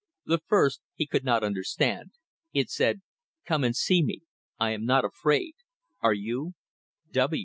The first he could not understand. It said: "Come and see me. I am not afraid. Are you?